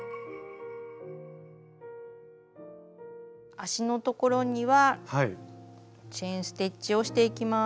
足のところにはチェーン・ステッチをしていきます。